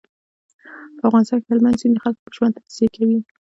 په افغانستان کې هلمند سیند د خلکو په ژوند تاثیر کوي.